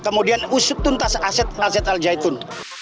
kemudian usup tuntas aset al zaitun